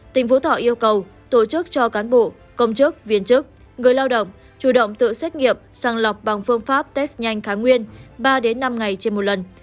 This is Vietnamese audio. tỉnh phú thọ yêu cầu tổ chức cho cán bộ công chức viên chức người lao động chủ động tự xét nghiệm sàng lọc bằng phương pháp test nhanh kháng nguyên ba năm ngày trên một lần